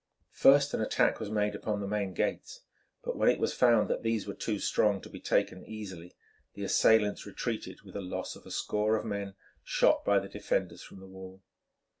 First an attack was made upon the main gates, but when it was found that these were too strong to be taken easily, the assailants retreated with a loss of a score of men shot by the defenders from the wall.